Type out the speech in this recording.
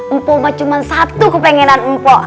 empoh mah cuman satu kepengenan empoh